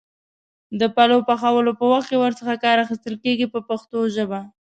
د پلو پخولو په وخت کې ور څخه کار اخیستل کېږي په پښتو ژبه.